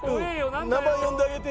名前呼んであげて。